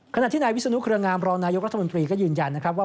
ขณะที่นายวิศนุเครืองามรองนายกรัฐมนตรีก็ยืนยันนะครับว่า